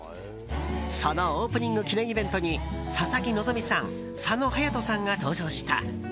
そのオープニング記念イベントに佐々木希さん佐野勇斗さんが登場した。